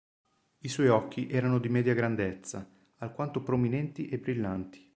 I suoi occhi erano di media grandezza, alquanto prominenti e brillanti.